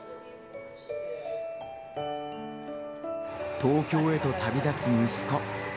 東京へと旅立つ息子。